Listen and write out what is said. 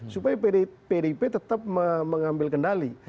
supaya pdip tetap mengambil kendali